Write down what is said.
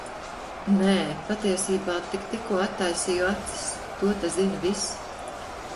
Nē, patiesībā tik tikko attaisīju acis. To te zina visi.